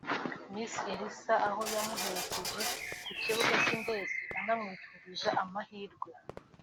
Miss Elsa aho yamuherekeje ku kibuga cy’indege anamwifuriza amahirwe